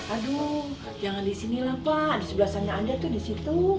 aduh jangan di sini lah pak di sebelah sana anda tuh di situ